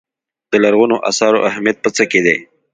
د لرغونو اثارو اهمیت په څه کې دی.